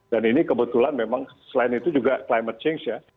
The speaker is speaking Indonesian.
dan ini kebetulan memang selain itu juga climate change ya